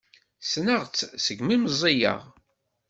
Ssneɣ-tt segmi meẓẓiyeɣ.